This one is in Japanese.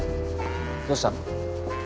どうしたの？